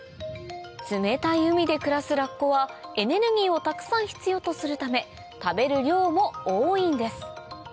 冷たい海で暮らすラッコはエネルギーをたくさん必要とするため食べる量も多いんです